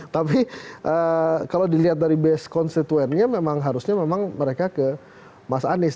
tapi kalau dilihat dari base konstituennya memang harusnya memang mereka ke mas anies